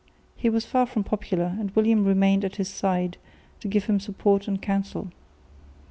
He was far from popular, and William remained at his side to give him support and counsel.